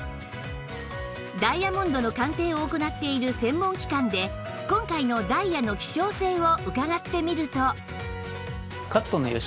ダイヤモンドの鑑定を行っている専門機関で今回のダイヤの希少性を伺ってみると